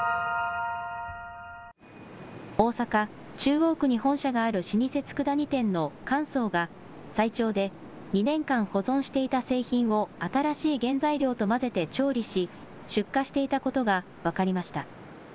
大阪・中央区に本社がある老舗つくだ煮店の神宗が最長で２年間保存していた製品を新しい原材料と混ぜて調理し、出荷していたことが分かりました。